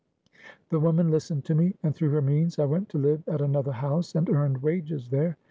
"The woman listened to me, and through her means I went to live at another house, and earned wages there.